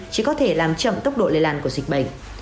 chỉ có thể làm chậm tốc độ lề làn của dịch bệnh